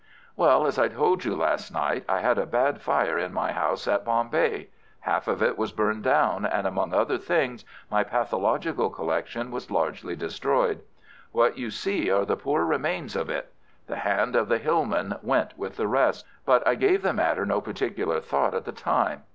"Well, as I told you last night, I had a bad fire in my house at Bombay. Half of it was burned down, and, among other things, my pathological collection was largely destroyed. What you see are the poor remains of it. The hand of the hillman went with the rest, but I gave the matter no particular thought at the time.